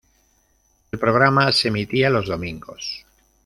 El programa se emitía los domingos.